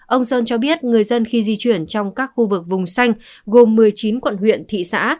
ông sơn cho biết người dân khi di chuyển trong các khu vực vùng xanh gồm một mươi chín quận huyện thị xã